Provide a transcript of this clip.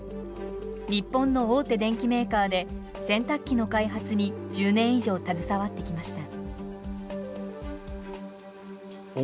日本の大手電機メーカーで洗濯機の開発に１０年以上携わってきました。